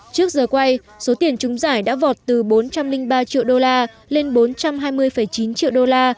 trước giờ quay số tiền chúng giải đã vọt từ bốn trăm linh ba triệu đô la lên bốn trăm hai mươi chín triệu đô la